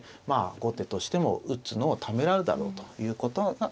まあ後手としても打つのをためらうだろうということ